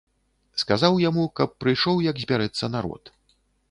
Сказаў яму, каб прыйшоў, як збярэцца народ.